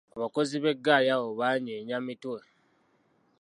"Abakozi b’eggaali, abo abanyeenya mitwe."